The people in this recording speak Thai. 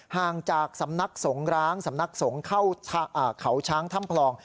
ห่างจากสำนักสงร้างสำนักสงฆ์เข้าเขาช้างถ้ำพลอง